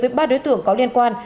với ba đối tượng có liên quan